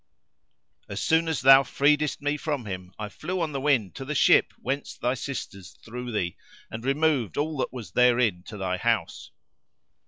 As soon as thou freedest me from him I flew on the wind to the ship whence thy sisters threw thee, and removed all that was therein to thy house.